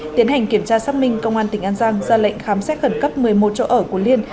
tiến hành kiểm tra xác minh công an tỉnh an giang ra lệnh khám xét khẩn cấp một mươi một chỗ ở của liên